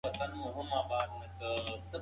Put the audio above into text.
دا مېوې په ډېره پاکه هوا کې په طبیعي ډول وچې شوي.